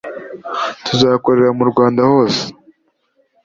Tuzakorera mu Rwanda hose